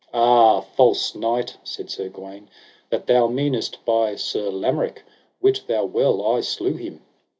Ah, false knight, said Sir Gawaine, that thou meanest by Sir Lamorak: wit thou well I slew him.